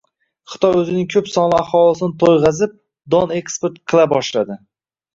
Xitoy o‘zining ko‘p sonli aholisini to‘yg‘azib, don eksport qila boshladi.